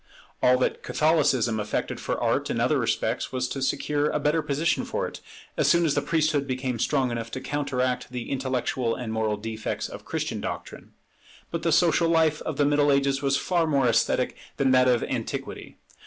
All that Catholicism effected for Art in other respects was to secure a better position for it, as soon as the priesthood became strong enough to counteract the intellectual and moral defects of Christian doctrine. But the social life of the Middle Ages was far more esthetic than that of antiquity.